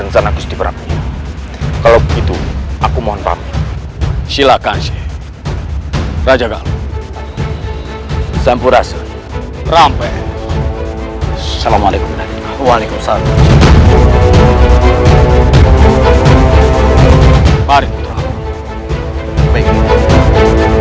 saya nur jat ja this maturity dan juga raja gal kalian berpenghar untuk mengumpulkan kembali para prajurit